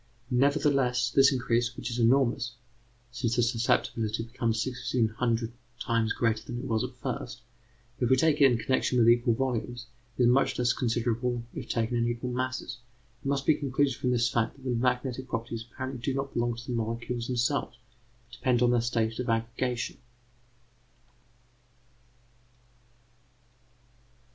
Nevertheless, this increase, which is enormous (since the susceptibility becomes sixteen hundred times greater than it was at first), if we take it in connection with equal volumes, is much less considerable if taken in equal masses. It must be concluded from this fact that the magnetic properties apparently do not belong to the molecules themselves, but depend on their state of aggregation.